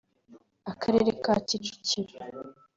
Akarere ka Kicukiro